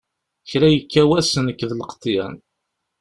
Kra yekka wass nekk d lqeḍyan.